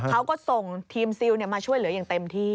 เขาก็ส่งทีมซิลมาช่วยเหลืออย่างเต็มที่